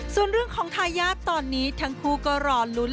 ส่วนเรื่องของทายาทตอนนี้ทั้งคู่ก็รอลุ้น